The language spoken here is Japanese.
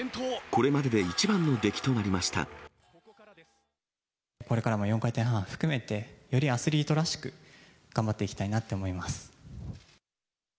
これからも４回転半含めて、よりアスリートらしく、頑張っていきたいなって思います。